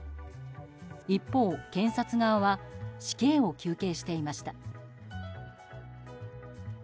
一方、検察側は死刑を求刑していました。